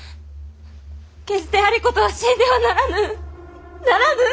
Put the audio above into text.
決して有功は死んではならぬならぬ！